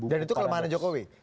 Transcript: dan itu kelemahan jokowi